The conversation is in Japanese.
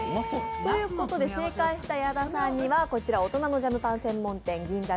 ということで正解した矢田さんには大人のジャムパン専門店銀座